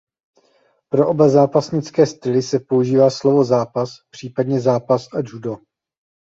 Pro oba zápasnické styly se používá slovo zápas případně zápas a judo.